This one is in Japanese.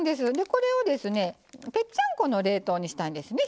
これをですねぺっちゃんこの冷凍にしたいんですね。